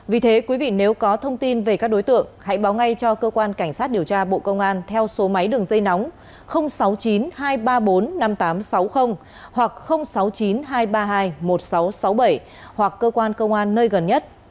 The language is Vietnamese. vì thế quý vị nếu có thông tin về các đối tượng hãy báo ngay cho cơ quan cảnh sát điều tra bộ công an theo số máy đường dây nóng sáu mươi chín hai trăm ba mươi bốn năm nghìn tám trăm sáu mươi hoặc sáu mươi chín hai trăm ba mươi hai một nghìn sáu trăm sáu mươi bảy hoặc cơ quan công an nơi gần nhất